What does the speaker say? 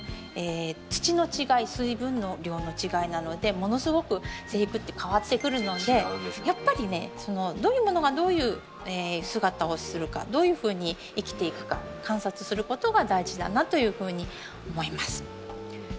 土の違い水分量の違いなどでものすごく生育って変わってくるのでやっぱりねどういうものがどういう姿をするかどういうふうに生きていくか観察することが大事だなというふうに思います。